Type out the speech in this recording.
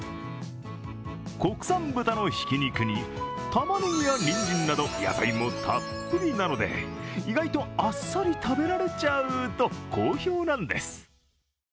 国産豚のひき肉に、たまねぎやにんじんなど野菜もたっぷりなので、意外とあっさり食べられちゃうと好評なんです。